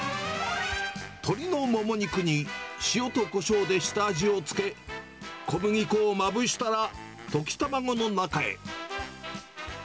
鶏のモモ肉に塩とこしょうで下味をつけ、小麦粉をまぶしたら、溶き卵の中へ。